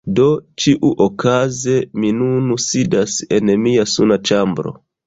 Do ĉiuokaze mi nun sidas en mia suna ĉambro